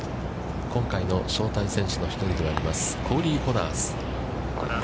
今回の招待選手の１人でもありますコーリー・コナーズ。